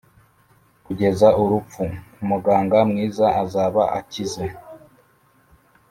kugeza urupfu, umuganga mwiza, azaba akize